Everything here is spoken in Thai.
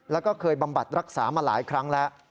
แล้วก็เคยบำบัดรักษามาหลายครั้งแล้ว